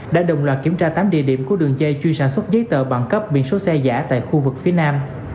đã đồng loạt kiểm tra tám địa điểm của đường dây chuyên sản xuất giấy tờ bằng cấp biển số xe giả tại khu vực phía nam